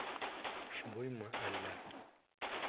Хушбуймы әллә?